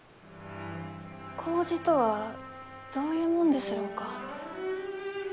麹とはどういうもんですろうか？